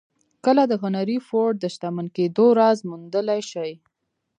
که د هنري فورډ د شتمن کېدو راز موندلای شئ.